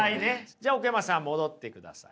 じゃあ奥山さん戻ってください。